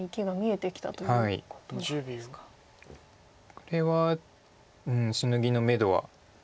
これはシノギのめどは。